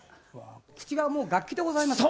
「口がもう楽器でございます」